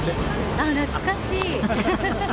ああ、懐かしい。